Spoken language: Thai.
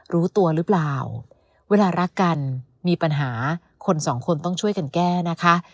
รู้ตัวหรือเปล่าเวลารักกันมีปัญหาคนสองคนต้องช่วยกันแก้นะคะ